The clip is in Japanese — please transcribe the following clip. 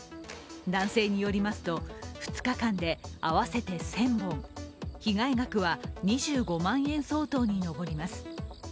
男性によりますと、２日間で合わせて１０００本、被害額は２５万円相当に上ります。